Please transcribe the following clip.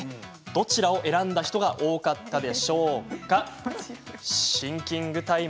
どちらを選んだ人が多かったでしょうか。